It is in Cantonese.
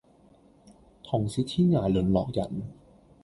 同是天涯淪落人